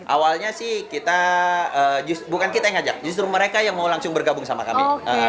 awalnya sih kita bukan kita yang ngajak justru mereka yang mau langsung bergabung sama kami